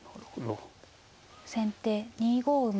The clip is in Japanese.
先手２五馬。